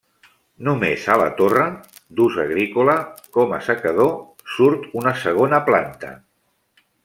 Només a la torre, d'ús agrícola, com a assecador, surt una segona planta.